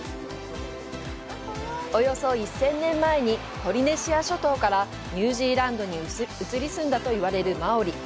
およそ１０００年前にポリネシア諸島からニュージーランドに移り住んだといわれるマオリ。